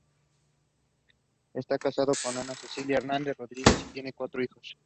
Esta casado con Ana Cecilia Hernández Rodríguez y tiene cuatro hijos.